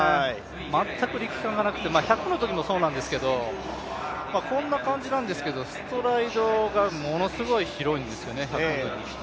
全く力感がなくて１００のときもそうなんですけど、こんな感じなんですけど、ストライドがものすごい広いんですよね。